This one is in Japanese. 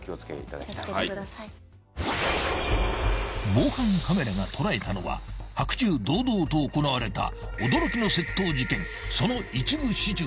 ［防犯カメラが捉えたのは白昼堂々と行われた驚きの窃盗事件］